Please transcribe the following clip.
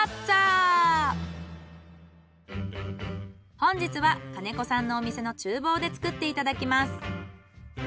本日は兼子さんのお店の厨房で作っていただきます。